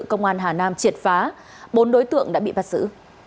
công an hà nam triệt phá bốn đối tượng đã bị bắt giữ